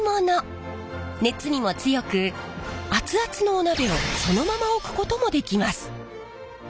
熱にも強く熱々のお鍋をそのまま置くこともできます。